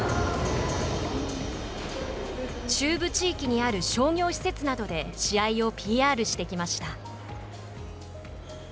中部地域にある商業施設などで試合をＰＲしてきました。